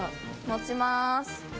持ちます。